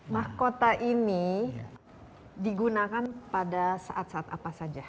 mahkota ini digunakan pada saat saat apa saja